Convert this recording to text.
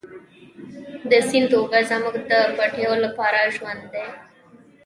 د سیند اوبه زموږ د پټیو لپاره ژوند دی.